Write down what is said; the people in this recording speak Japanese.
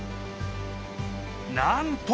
なんと！